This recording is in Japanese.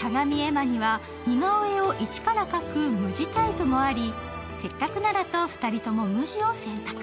鏡絵馬には似顔絵を一から描く無地タイプもあり、せっかくならと２人とも無地を選択。